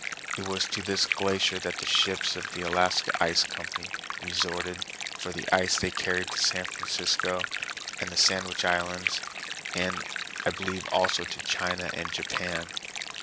It was to this glacier that the ships of the Alaska Ice Company resorted for the ice they carried to San Francisco and the Sandwich Islands, and, I believe, also to China and Japan.